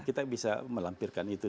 kita bisa melampirkan itu